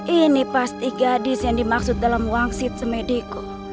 ini pasti gadis yang dimaksud dalam wangsit semedikku